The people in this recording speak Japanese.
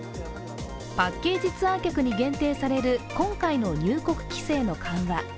パッケージツアー客に限定される今回の入国規制の緩和。